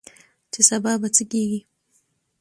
چې سبا به څه کيږي؟